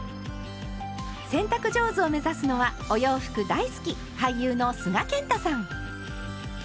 洗濯上手を目指すのはお洋服大好き俳優の須賀健太さん。